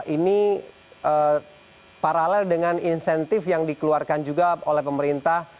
ini paralel dengan insentif yang dikeluarkan juga oleh pemerintah